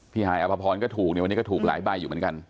ฮายอภพรก็ถูกเนี่ยวันนี้ก็ถูกหลายใบอยู่เหมือนกัน